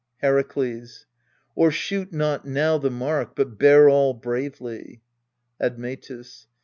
Herakles. O'ershoot not now the mark, but bear all bravely. Admetus.